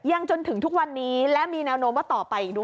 จนถึงทุกวันนี้และมีแนวโน้มว่าต่อไปอีกด้วย